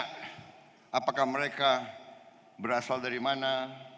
saya tidak tanya apakah mereka berasal dari mana